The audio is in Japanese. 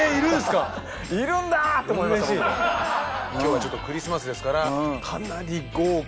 今日はちょっとクリスマスですから。